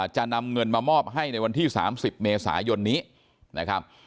จะนำเงินมามอบให้ในวันที่๓๐เมษายนนี้นะครับ